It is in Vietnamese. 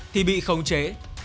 thì bị không chế